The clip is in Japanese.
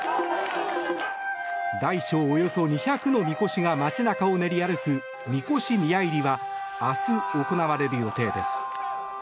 大小およそ２００のみこしが街中を練り歩く神輿宮入は明日、行われる予定です。